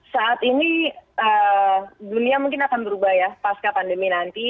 saat ini dunia mungkin akan berubah ya pasca pandemi nanti